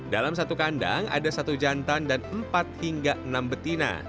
dalam satu kandang ada satu jantan dan empat hingga enam betina